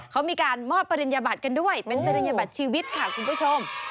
เขามีการมอบปริญญบัติกันด้วยเป็นปริญญบัตรชีวิตค่ะคุณผู้ชม